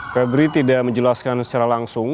febri tidak menjelaskan secara langsung